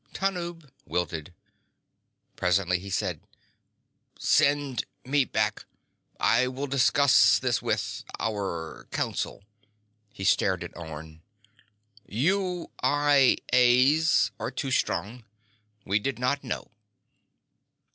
Tanub wilted. Presently, he said: "Send me back. I will discuss this with ... our council." He stared at Orne. "You I A's are too strong. We did not know."